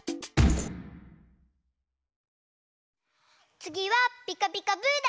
つぎは「ピカピカブ！」だよ。